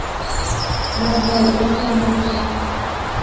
বাদ দাও, এসো আমার সাথে।